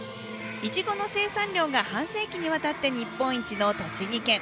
いちごの生産量が半世紀にわたって日本一の栃木県。